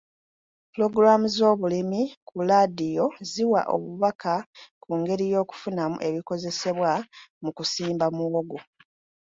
Pulogulaamu z'obulimi ku laadiyo ziwa obubaka ku ngeri y'okufunamu ebikozesebwa mu kusimba muwogo.